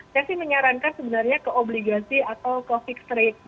saya sih menyarankan sebenarnya ke obligasi atau ke fixed rate